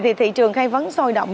thì thị trường hay vẫn sôi động